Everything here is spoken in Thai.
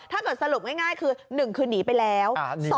ถ้าเกิดสรุปง่ายคือ๑คือนีไปแล้ว